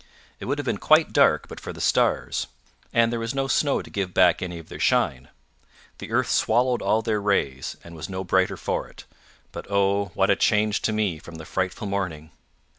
It would have been quite dark but for the stars, and there was no snow to give back any of their shine. The earth swallowed all their rays, and was no brighter for it. But oh, what a change to me from the frightful morning!